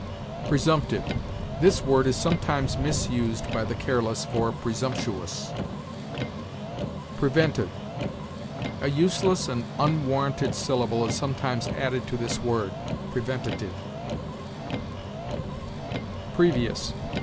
PRESUMPTIVE. This word is sometimes misused by the careless for presumptuous. PREVENTIVE. A useless and unwarranted syllable is sometimes added to this word preventative. PREVIOUS.